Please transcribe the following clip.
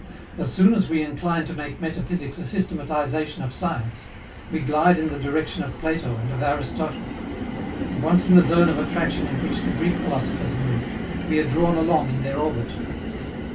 As soon as we incline to make metaphysics a systematization of science, we glide in the direction of Plato and of Aristotle. And, once in the zone of attraction in which the Greek philosophers moved, we are drawn along in their orbit.